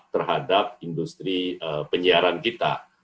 terhadap industri penyiaran kita